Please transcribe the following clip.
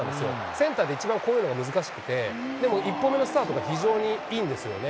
センターで一番こういうのが難しくて、でも１歩目のスタートがいいんですよね。